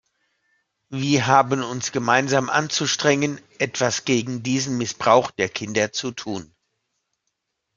Wi haben uns gemeinsam anzustrengen, etwas gegen diesen Missbrauch der Kinder zu tun.